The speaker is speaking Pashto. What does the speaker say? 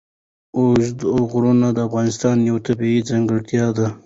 اوږده غرونه د افغانستان یوه طبیعي ځانګړتیا ده.